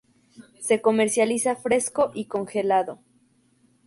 Se comercializa fresco y congelado.